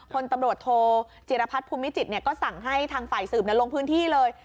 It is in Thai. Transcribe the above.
พลตำรวจโทจิรพัฒน์ภูมิจิตก็สั่งให้ทางฝ่ายสืบลงพื้นที่เลย